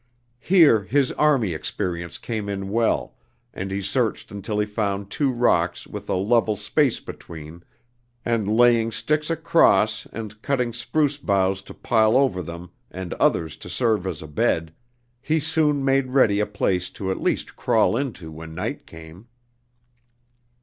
Here his army experience came in well, and he searched until he found two rocks with a level space between, and laying sticks across and cutting spruce boughs to pile over them and others to serve as a bed, he soon made ready a place to at least crawl into when night came.